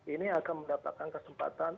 ini akan mendapatkan kesempatan